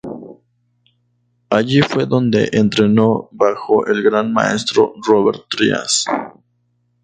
Allí fue donde entrenó bajo el Gran Maestro Robert Trias.